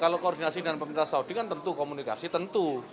kalau koordinasi dengan pemerintah saudi kan tentu komunikasi tentu